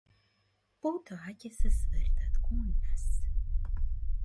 Потоа ќе се свртат кон нас.